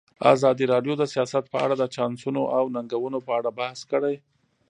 ازادي راډیو د سیاست په اړه د چانسونو او ننګونو په اړه بحث کړی.